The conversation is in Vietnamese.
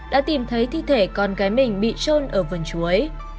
đã tìm thấy thi thể con gái mình bị trôn ở vườn chuối